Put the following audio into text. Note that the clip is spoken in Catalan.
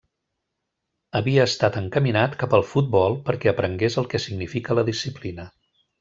Havia estat encaminat cap al futbol perquè aprengués el que significa la disciplina.